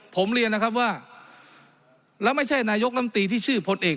ผมเรียนนะครับว่าแล้วไม่ใช่นายกลำตีที่ชื่อพลเอก